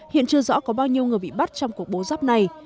hiện chưa rõ có bao nhiêu người bị bắt trong cuộc bố rắp này